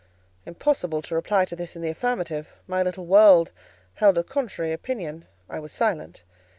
Impossible to reply to this in the affirmative: my little world held a contrary opinion: I was silent.